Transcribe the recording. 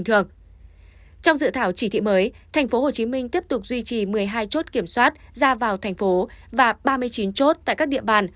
trong dự thảo chỉ thị mới tp hcm tiếp tục duy trì một mươi hai chốt kiểm soát ra vào thành phố và ba mươi chín chốt tại các địa bàn